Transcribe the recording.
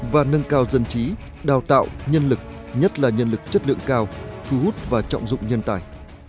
và nâng cao dân trí đào tạo nhân lực nhất là nhân lực chất lượng cao thu hút và trọng dụng nhân tài